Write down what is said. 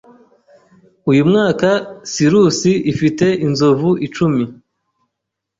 Uyu mwaka sirus ifite inzovu icumi.